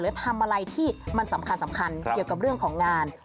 ทำอะไรที่มันสำคัญเกี่ยวกับเรื่องของงาน